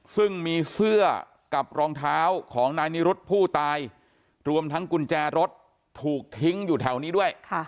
ซึ่งมีเสื้อกับรองเท้าของนายนิรุธผู้ตายรวมทั้งกุญแจรถถูกทิ้งอยู่แถวนี้ด้วย